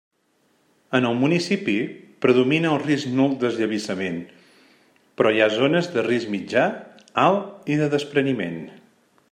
En el municipi, predomina el risc nul d'esllavissament, però hi ha zones de risc mitjà, alt i de despreniment.